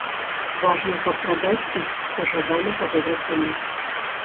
Важна, каб прадаць, і пажадана па добрай цане.